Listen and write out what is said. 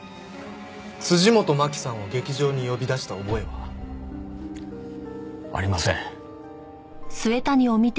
辻本マキさんを劇場に呼び出した覚えは？ありません。